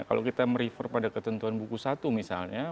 kalau kita merifer pada ketentuan buku satu misalnya